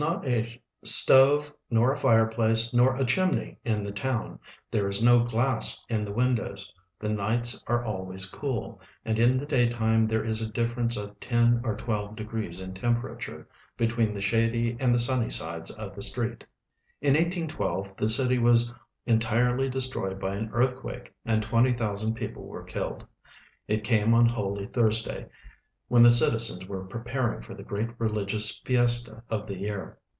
HER GOVERNMENT, PEOPLE, AND BOUNDARY 53 stove, nor a fireplace, nor a chimney in the town ; there is no glass in the windows ; the nights are always cool, and in the day time there is a difference of ten or twelve degrees in temj)erature between the shady and the sunny sides of the street. In 1812 the city was entirely destroyed by an earthquake and twenty thousand people were killed. It came on Holy Thurs day, when the citizens were pre]>aring for the great religious fiesta of the year.